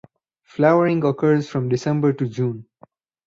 Flowering occurs from December to June.